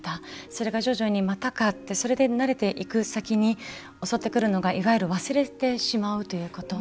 それが、徐々にまたかってそれで慣れていく先に襲ってくるのがいわゆる忘れてしまうということ。